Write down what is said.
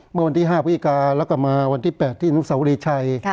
เมื่อวันที่๕พิกาแล้วก็มาวันที่๘ที่อนุสาวรีชัย